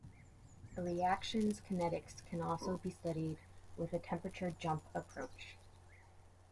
A reaction's kinetics can also be studied with a temperature jump approach.